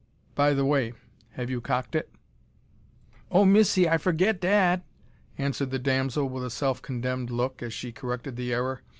By the way, have you cocked it?" "O missy, I forgit dat," answered the damsel with a self condemned look, as she corrected the error.